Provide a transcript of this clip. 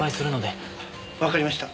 わかりました。